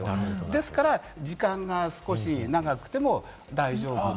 ですから、時間が少し長くても大丈夫。